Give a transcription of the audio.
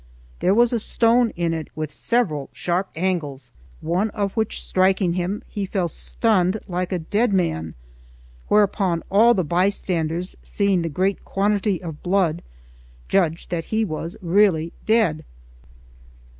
There was a stone in it with several sharp angles, one of which striking him, he fell stunned like a dead man: whereupon all the bystanders, seeing the great quantity of blood, judged that he was really dead.